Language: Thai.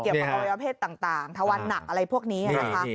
เกี่ยวกับอวัยวะเพศต่างถวันหนักอะไรพวกนี้